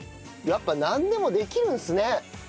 やっぱなんでもできるんすね。